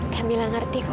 camilla ngerti kok kak